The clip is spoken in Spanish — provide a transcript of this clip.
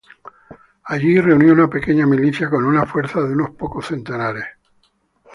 Allí reunió una pequeña milicia con una fuerza de unos pocos centenares.